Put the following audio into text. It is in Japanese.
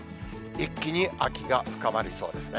一気に秋が深まりそうですね。